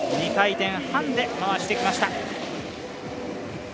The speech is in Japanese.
２回転半で回してきました。